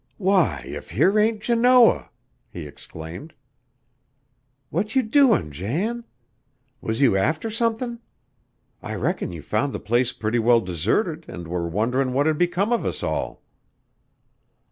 "Why, if here ain't Janoah!" he exclaimed. "What you doin', Jan? Was you after somethin'? I reckon you found the place pretty well deserted an' were wonderin' what had become of us all."